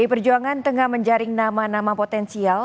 pdi perjuangan tengah menjaring nama nama potensial